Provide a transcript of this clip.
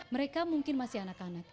mereka mungkin masih anak anak